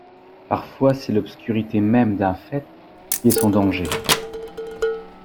Parfois c’est l’obscurité même d’un fait qui est son danger.